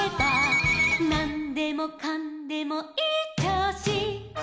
「なんでもかんでもいいちょうし」